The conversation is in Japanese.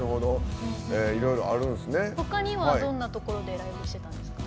ほかにはどんなところでライブしてたんですか？